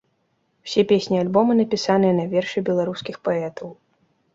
Усе песні альбома напісаныя на вершы беларускіх паэтаў.